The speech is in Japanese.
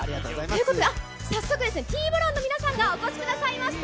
ということで、早速ですね、ＴーＢＯＬＡＮの皆さんがお越しくださいました。